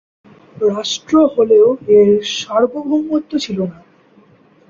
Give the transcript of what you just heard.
রাষ্ট্র হলেও এর সার্বভৌমত্ব ছিল না।